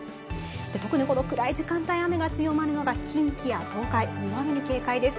特にこの暗い時間帯、雨が強まるのが近畿や東海、大雨に警戒です。